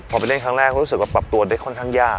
พอไปเล่นครั้งแรกรู้สึกว่าปรับตัวได้ค่อนข้างยาก